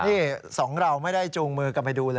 นี่สองเราไม่ได้จูงมือกันไปดูเลย